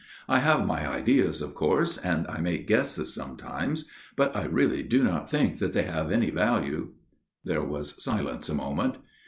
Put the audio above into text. I have my ideas, of course, and I make guesses sometimes ; but I really do not think that they have any value." There was silence a moment.